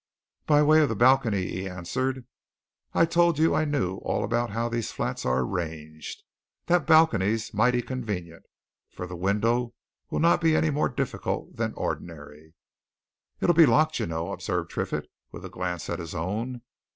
"By way of that balcony," he answered. "I told you I knew all about how these flats are arranged. That balcony's mighty convenient, for the window'll not be any more difficult than ordinary." "It'll be locked, you know," observed Triffitt, with a glance at his own.